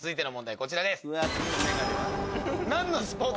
こちらです。